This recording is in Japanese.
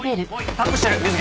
タップしてる水木！